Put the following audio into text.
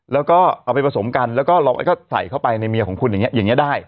แล้วก็เอาไปผสมกันแล้วก็ใส่เข้าไปในเมียของคุณอย่างนี้อย่างนี้ได้